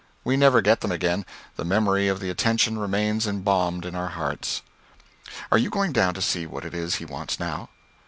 We never get them again; the memory of the attention remains embalmed in our hearts." "Are you going down to see what it is he wants now?"